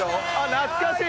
懐かしい！